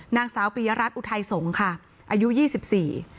นางสาวปียรัฐอุทัยสงฆ์ค่ะอายุยี่สิบสี่